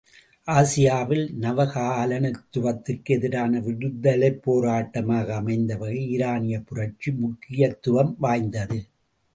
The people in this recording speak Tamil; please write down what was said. ஆசியாவில், நவகாலனித்துவத்திற்கு எதிரான விடுதலைப்போராட்டமாக அமைந்த வகையில் ஈரானியப் புரட்சி முக்கியத்துவம் வாய்ந்தது.